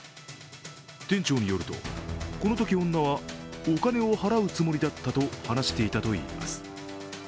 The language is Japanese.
店長によるとこのとき女はお金を払うつもりだったと話していたといいます。